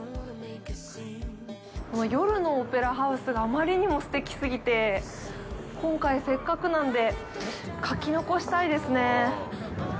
夜のオペラハウスが余りにもすてきすぎて、今回、せっかくなので、描き残したいですね。